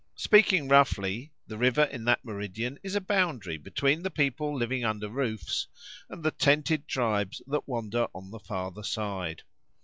Speaking roughly, the river in that meridian is a boundary between the people living under roofs and the tented tribes that wander on the farther side.